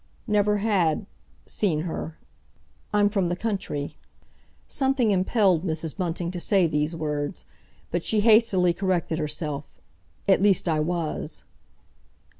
"Never had, seen her. I'm from the country." Something impelled Mrs. Bunting to say these words. But she hastily corrected herself, "At least, I was."